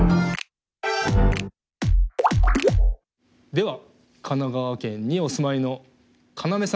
では神奈川県にお住まいのカナメさん。